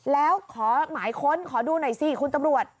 แล้วขอหมายค้นขอดูหน่อยสิคุณตำรวจ